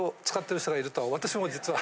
私も実は。